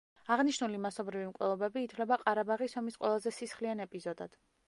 აღნიშნული მასობრივი მკვლელობები ითვლება ყარაბაღის ომის ყველაზე სისხლიან ეპიზოდად.